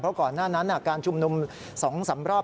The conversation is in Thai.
เพราะก่อนหน้านั้นการชุมนุม๒๓รอบ